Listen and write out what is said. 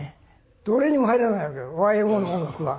どれにも入らないわけよＹＭＯの音楽は。